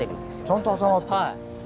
ちゃんと挟まってる。